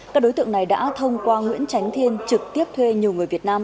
các đối tượng này đã thông qua nguyễn tránh thiên trực tiếp thuê nhiều người việt nam